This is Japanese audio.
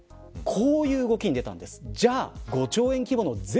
こういう動きに出たんです。